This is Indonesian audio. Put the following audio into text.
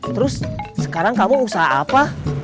terus sekarang kamu usaha apa